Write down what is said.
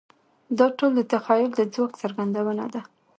دا ټول د تخیل د ځواک څرګندونه ده.